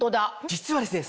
実はですね